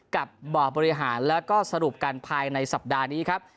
กับบ่อบริหารแล้วก็สรุปกันภายในสัปดาห์นี้ครับ